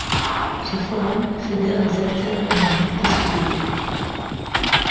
Ce forum fédère les acteurs économiques de ces pays.